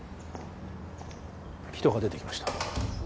人が出てきました